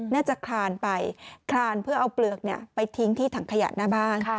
น่าจะคลานไปคลานเพื่อเอาเปลือกไปทิ้งที่ถังขยะหน้าบ้าน